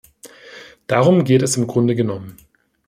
Darum geht es im Grunde genommen.